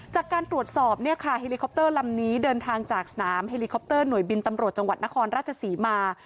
จากการตรวจสอบเนี่ยค่ะเฮลิคอปเตอร์ลำนี้เดินทางจากสนามเฮลิคอปเตอร์หน่วยบินตำรวจจังหวัดนครราชศรีมา